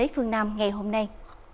phương nam ngày hôm nay